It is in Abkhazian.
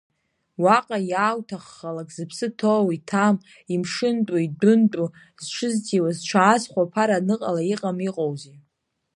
Уаҟа иаауҭаххалак зыԥсы ҭоу, иҭам, имшынтәу, идәынтәу, зҽызҭиуа-зҽаазхәо аԥара аныҟала иҟам иҟоузеи!